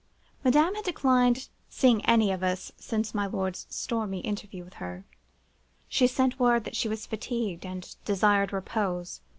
"Madame had declined seeing any of us since my lord's stormy interview with her. She sent word that she was fatigued, and desired repose.